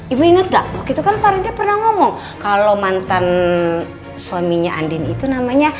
ibu inget nggak begitu kan prahladaya pernah ngomong kalau mantan suaminya andin itu namanya